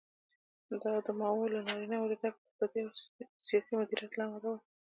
دا د ماوو له ناورینه د ډک اقتصادي او سیاسي مدیریت له امله و.